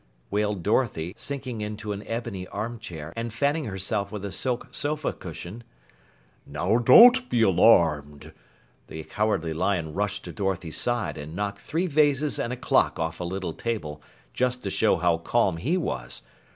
wailed Dorothy, sinking into an ebony armchair and fanning herself with a silk sofa cushion. "Now don't be alarmed." The Cowardly Lion rushed to Dorothy's side and knocked three vases and a clock off a little table, just to show how calm he was.